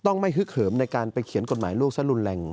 ต้องไม่ฮึกเหิมในการไปเขียนกฎหมายลูกซะรุนแรง